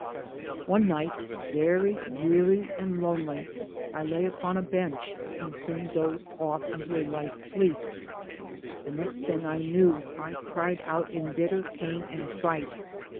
One night, very weary and lonely, I lay upon a bench and soon dozed off into a light sleep. The next thing I knew I cried out in bitter pain and fright.